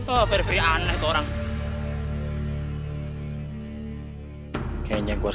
oh veri veri aneh torang